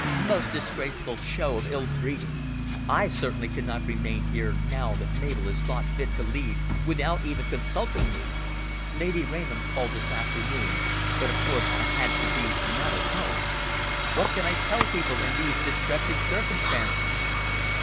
"Most disgraceful show of ill breeding! I certainly cannot remain here now Mabel has thought fit to leave, without even consulting me. Lady Rainham called this afternoon, but of course I had to be not at home. What can I tell people in these distressing circumstances?"